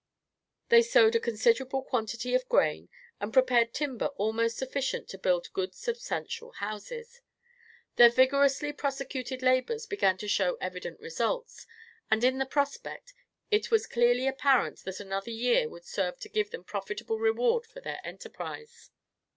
They sowed a considerable quantity of grain, and prepared timber almost sufficient to build good substantial houses. Their vigorously prosecuted labors began to show evident results, and in the prospect, it was clearly apparent that another year would serve to give them profitable reward for their enterprise.